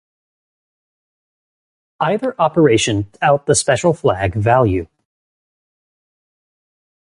Either operation wipes out the special flag value.